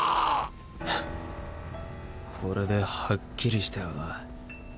フッこれではっきりしたよな。